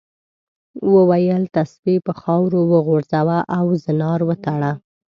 وویل تسبیح په خاورو وغورځوه او زنار وتړه.